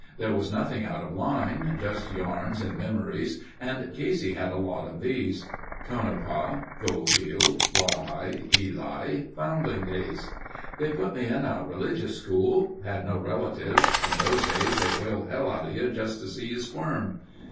There was nothing out of line. Just yarns and memories and Casey had a lot of these. Tonopah. Goldfield. Rawhide. Ely. Foundling days. "... They put me in a religious school. Had no relatives. In those days they whaled hell outa you just to see you squirm.